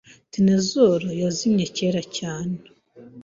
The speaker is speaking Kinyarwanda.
Dinosaurs yazimye kera cyane. .